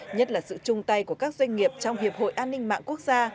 nhất là sự chung tay của các doanh nghiệp trong hiệp hội an ninh mạng quốc gia